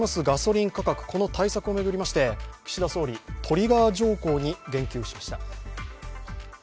ガソリン価格、この対策を巡りまして岸田総理トリガー条項に言及しました。